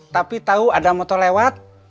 tapi tahu ada motor lewat